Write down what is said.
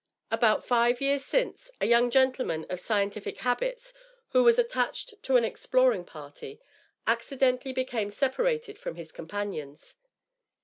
About five years since, a young gentleman of scientific habits, who was attached to an exploring party, accidentally became separated from his companions.